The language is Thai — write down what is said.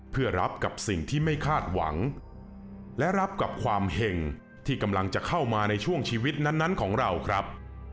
เพื่อรับกับสิ่งที่ไม่คาดหวังและรับกับความเห็งที่กำลังจะเข้ามาในช่วงชีวิตนั้นของเราครับ